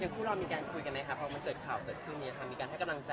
เดี๋ยวคู่เรามีการคุยกันนะครับเพราะมันเกิดข่าวเกิดขึ้นเนี้ยค่ะ